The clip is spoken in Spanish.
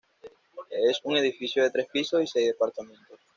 Es un edificio de tres pisos y seis departamentos.